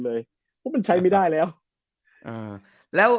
เพราะมันใช้ไม่ได้แล้ว